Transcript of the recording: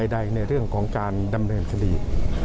ในเรื่องของการดำเนินคดี